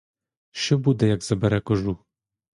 Що буде, як забере кожух?